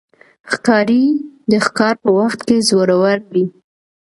ښکاري د ښکار په وخت کې زړور وي.